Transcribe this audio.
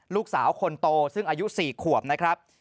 ลูกสาวคนโตซึ่งอายุ๔ขวบนะครับ